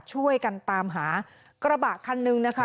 ช่วยกันตามหากระบะคันนึงนะคะ